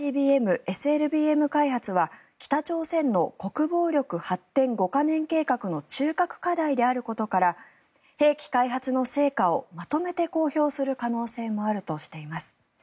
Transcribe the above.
開発は北朝鮮の国防力発展五カ年計画の中核課題であることから兵器開発の成果をまとめて公表する可能性もあるとしています。